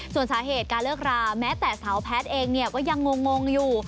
ส่วนสาเหตุการเลิกราแม้แต่สาวแพทย์เองเนี่ยก็ยังงงอยู่